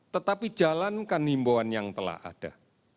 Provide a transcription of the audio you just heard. tetapi jalankan himbauan yang telah ada